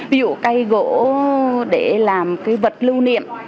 ví dụ cây gỗ để làm cái vật lưu niệm